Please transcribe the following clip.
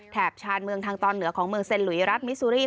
ชานเมืองทางตอนเหนือของเมืองเซ็นหลุยรัฐมิซูรีส